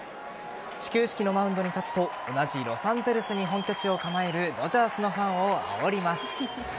始球式のマウンドに立つとロサンゼルスに本拠地を構えるドジャースのファンをあおります。